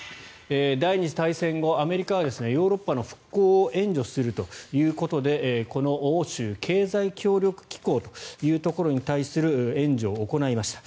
第２次大戦後、アメリカはヨーロッパの復興を援助するということでこの欧州経済協力機構というところに対する援助を行いました。